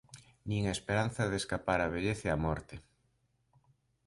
Nin a esperanza de escapar á vellez e á morte.